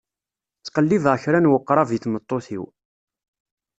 Ttqellibeɣ kra n weqrab i tmeṭṭut-iw.